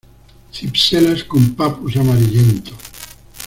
Cipselas con papus amarillento.